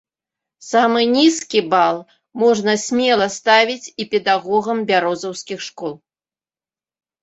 Самы нізкі бал можна смела ставіць і педагогам бярозаўскіх школ.